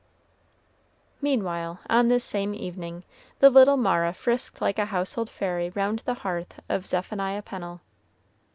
Meanwhile, on this same evening, the little Mara frisked like a household fairy round the hearth of Zephaniah Pennel.